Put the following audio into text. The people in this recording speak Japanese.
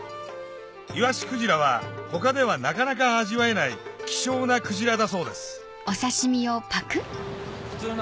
イワシクジラは他ではなかなか味わえない希少なクジラだそうです普通の。